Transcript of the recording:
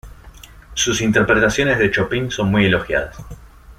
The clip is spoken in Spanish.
Sus interpretaciones de Chopin son muy elogiadas.